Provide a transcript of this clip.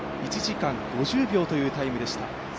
１時間５０秒というタイムでした。